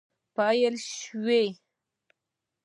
پیل شوي